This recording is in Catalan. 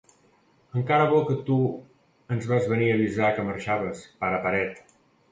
Encara bo que tu ens vas venir a avisar que marxaves, pare paret.